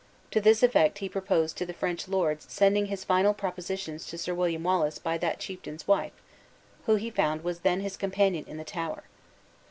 To this effect he proposed to the French lords sending his final propositions to Sir William Wallace by that chieftain's wife, who he found was then his companion in the Tower.